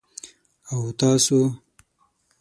_او تاسو؟